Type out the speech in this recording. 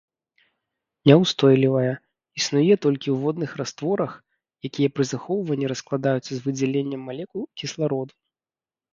Няўстойлівая, існуе толькі ў водных растворах, якія пры захоўванні раскладаюцца з выдзяленнем малекул кіслароду.